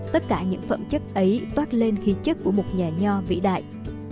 tất cả những phẩm chất ấy toát lên khí chất của một nhà nho vĩ đại